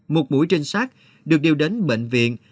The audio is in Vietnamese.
một mũi trên xác được đưa đến bệnh viện